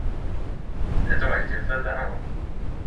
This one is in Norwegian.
Dette var ikkje tilfelle denne gongen.